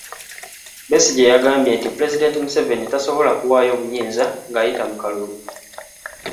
Besigye yagambye nti Pulezidenti Museveni tasobola kuwaayo buyinza ng'ayita mu kalulu.